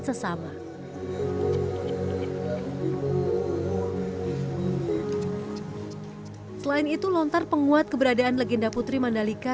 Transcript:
sesama selain itu lontar penguat keberadaan legenda putri mandalika